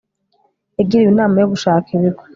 yagiriwe inama yo gushaka ibigo